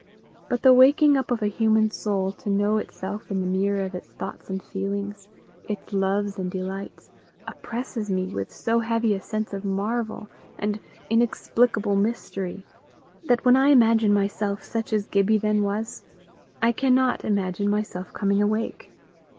But the waking up of a human soul to know itself in the mirror of its thoughts and feelings, its loves and delights, oppresses me with so heavy a sense of marvel and inexplicable mystery, that when I imagine myself such as Gibbie then was, I cannot imagine myself coming awake.